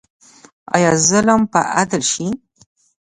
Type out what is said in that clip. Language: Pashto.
آیا ظلم به عدل شي؟